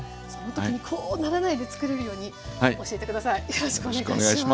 よろしくお願いします。